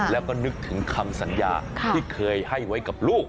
แล้วก็นึกถึงคำสัญญาที่เคยให้ไว้กับลูก